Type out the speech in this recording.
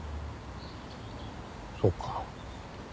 そうか。